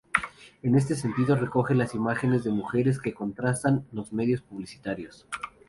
En este sentido recoge las imágenes de mujeres que contrastan con los medios publicitarios.